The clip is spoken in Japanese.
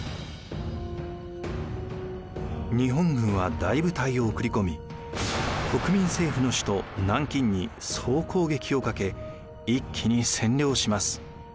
日本軍は大部隊を送り込み国民政府の首都・南京に総攻撃をかけ一気に占領します。